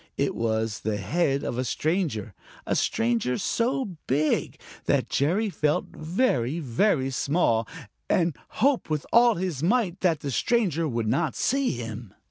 It was the head of a stranger, a stranger so big that Jerry felt very, very small and hoped with all his might that the stranger would not see him.